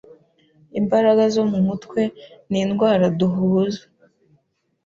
Imbaraga zo mumutwe nindwara duhuza